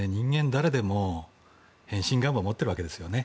誰でも変身願望を持っているわけですよね。